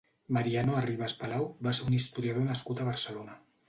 Mariano Arribas Palau va ser un historiador nascut a Barcelona.